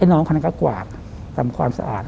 น้องคนนั้นก็กวาดทำความสะอาด